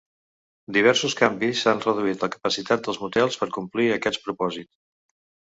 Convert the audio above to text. Diversos canvis han reduït la capacitat dels motels per complir aquest propòsit.